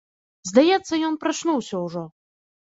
Здаецца, ён прачнуўся ўжо.